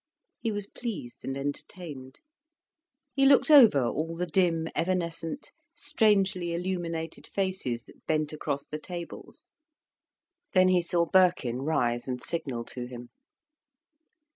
He was pleased, and entertained. He looked over all the dim, evanescent, strangely illuminated faces that bent across the tables. Then he saw Birkin rise and signal to him.